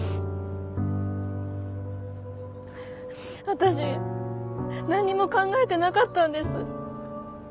私何にも考えてなかったんです。